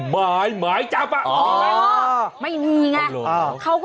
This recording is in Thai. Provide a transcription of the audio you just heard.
บ้าจริงเดี๋ยว